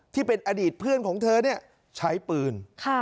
ที่เป็นอดีตเพื่อนของเธอเนี่ยใช้ปืน